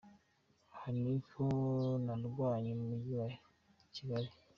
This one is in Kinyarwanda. Aho niho narwanye mu mujyi wa Kigali.